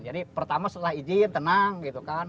jadi pertama setelah izin tenang gitu kan